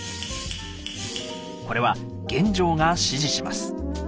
これは玄奘が指示します。